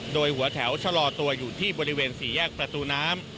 โดยหัวแถวชะลอตัวอยู่ที่บริเวณสี่แยกประตูน้ำ